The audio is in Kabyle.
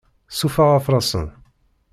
Sufeɣ afrasen.